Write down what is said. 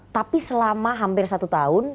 tapi selama hampir satu tahun